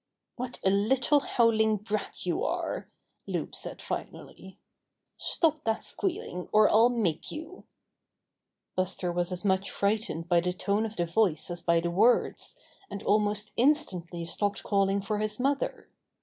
'What a little howling brat you are!" Loup said finally. "Stop that squealing or I'll make you." Buster was as much frightened by the tone of the voice as by the words, and almost in stantly stopped calling for his mother.